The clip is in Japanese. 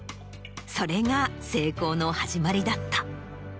それが成功の始まりだった。